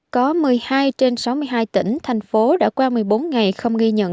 có một mươi hai trên sáu mươi hai tỉnh thành phố đã qua một mươi bốn ngày không ghi nhận